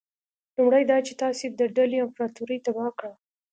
لومړی دا چې تاسي د ډهلي امپراطوري تباه کړه.